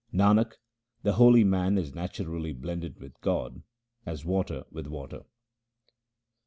Nanak, the holy man is naturally blended with God as water with water.